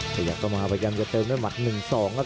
ขยับเข้ามาพยายามจะเติมด้วยหมัด๑๒ครับ